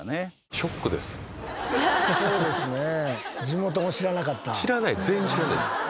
地元も知らなかった。